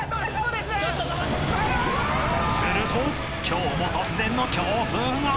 ［すると今日も突然の強風が］